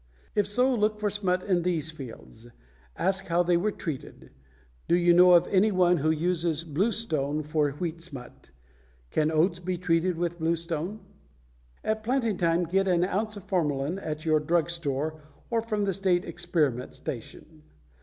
If so, look for smut in these fields. Ask how they were treated. Do you know of any one who uses bluestone for wheat smut? Can oats be treated with bluestone? At planting time get an ounce of formalin at your drug store or from the state experiment station.